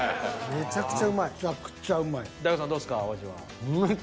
めちゃくちゃうまいやん。